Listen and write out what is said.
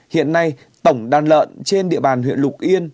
hiện nay tổng đàn lợn trên địa bàn huyện lục yên